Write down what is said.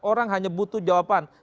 orang hanya butuh jawaban